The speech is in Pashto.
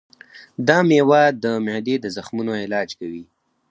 دا مېوه د معدې د زخمونو علاج کوي.